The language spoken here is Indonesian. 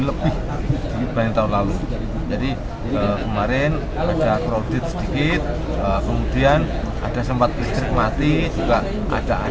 lebih dibanding tahun lalu jadi kemarin ada crowded sedikit kemudian ada sempat listrik mati juga ada